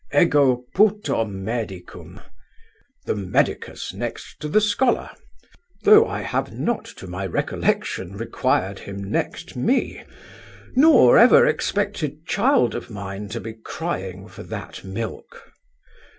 'Ego puto medicum.' The medicus next to the scholar: though I have not to my recollection required him next me, nor ever expected child of mine to be crying for that milk.